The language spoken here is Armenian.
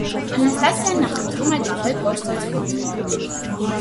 Անաստասիան նախընտրում է կավե կոշտ ծածկույթը։